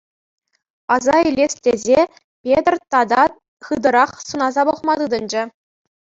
Аса илес тесе, Петр тата хытӑрах сӑнаса пӑхма тытӑнчӗ.